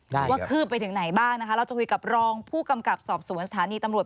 ว่าคืบไปถึงไหนบ้างนะคะเราจะคุยกับรองผู้กำกับสอบสวนสถานีตำรวจ